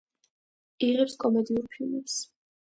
იღებს კომედიურ ფილმებს.